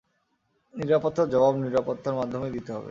নিরাপত্তার জবাব নিরাপত্তার মাধ্যমেই দিতে হবে।